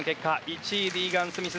１位はリーガン・スミス。